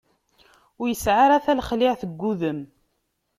Ur isɛa ara talexliɛt deg udem.